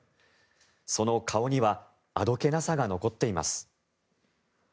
その顔にはあどけなさが残っています。